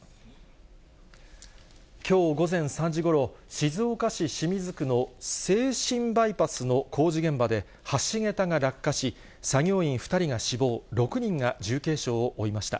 きょう午前３時ごろ、静岡市清水区の静清バイパスの工事現場で橋桁が落下し、作業員２人が死亡、６人が重軽傷を負いました。